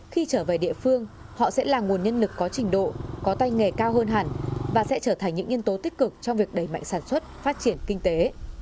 khi trở về địa phương họ sẽ là nguồn nhân lực có trình độ có tay nghề cao hơn hẳn và sẽ trở thành những nhân tố tích cực trong việc đẩy mạnh sản xuất phát triển kinh tế